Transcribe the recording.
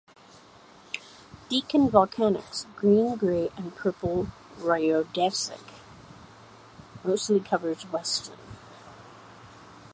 Deakin Volcanics green grey and purple rhyodacite mostly covers Weston.